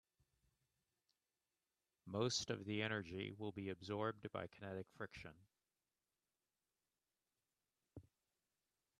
Most of the energy will be absorbed by kinetic friction.